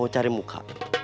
mau cari muka